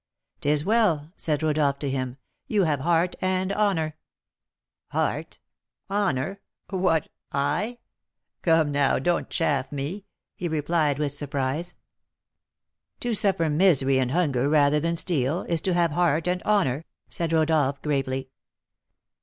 "'Tis well," said Rodolph to him, "you have heart and honour." "Heart? honour? what, I? Come, now, don't chaff me," he replied, with surprise. "To suffer misery and hunger rather than steal, is to have heart and honour," said Rodolph, gravely.